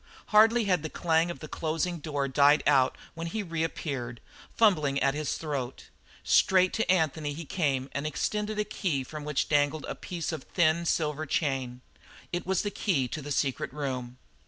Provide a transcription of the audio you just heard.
Hardly had the clang of the closing door died out when he reappeared, fumbling at his throat. Straight to Anthony he came and extended a key from which dangled a piece of thin silver chain. It was the key to the secret room.